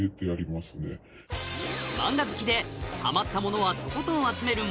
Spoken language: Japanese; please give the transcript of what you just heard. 漫画好きでハマったものはとことん集める